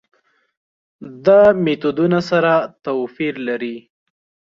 دا میتودونه سره توپیر لري.